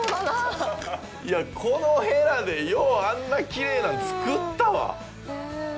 いやこのヘラでようあんなきれいなん作ったわ。